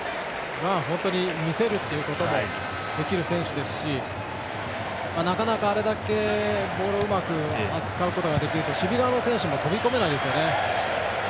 見せるということもできる選手ですしなかなか、あれだけボールをうまく扱うことができると守備側の選手も飛び込めないですよね。